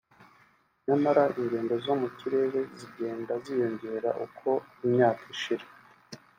nyamara ingendo zo mu kirere zigenda ziyongera uko imyaka ishira